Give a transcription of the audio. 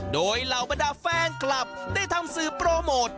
โดยเหล่าบรรดาแฟนคลับได้ทำสื่อโปรโมท